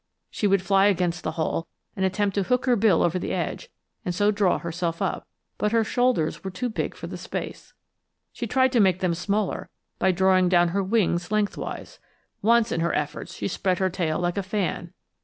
She would fly against the hole and attempt to hook her bill over the edge, and so draw herself up, but her shoulders were too big for the space. She tried to make them smaller by drawing down her wings lengthwise. Once, in her efforts, she spread her tail like a fan.